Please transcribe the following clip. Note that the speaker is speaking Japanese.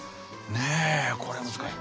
ねえこれは難しい。